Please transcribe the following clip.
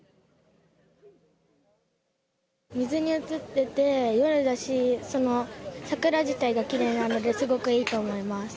水に映っていて夜だし桜自体がきれいなのですごくいいと思います。